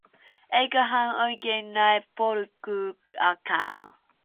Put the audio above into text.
Eikä hän oikein näe polkuakaan.